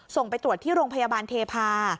ไปตรวจที่โรงพยาบาลเทพา